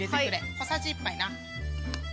小さじ１杯な。